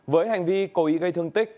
với hành vi cố ý gây thương tích